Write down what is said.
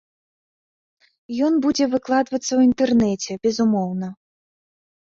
Ён будзе выкладвацца ў інтэрнэце, безумоўна.